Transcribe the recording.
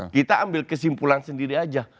kita ambil kesimpulan sendiri aja